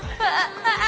ああ！